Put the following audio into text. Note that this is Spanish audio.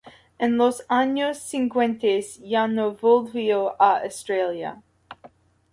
En los años siguientes ya no volvió a Australia.